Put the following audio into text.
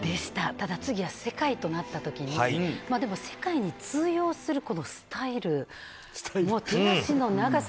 ただ、次は世界となった時に世界で通用するこのスタイル、手足の長さ。